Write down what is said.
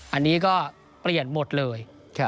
อันนี้ก็เปลี่ยนหมดเลย